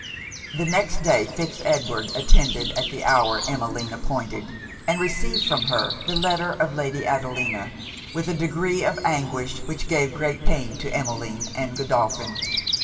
The next day, Fitz Edward attended at the hour Emmeline appointed, and received from her the letter of Lady Adelina, with a degree of anguish which gave great pain to Emmeline and Godolphin.